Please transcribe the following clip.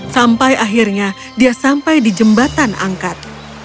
sampai akhirnya dia sampai di jembatan angkat